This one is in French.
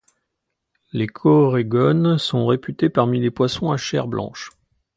Les corégones sont réputés parmi les poissons à chair blanche.